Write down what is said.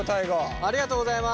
ありがとうございます。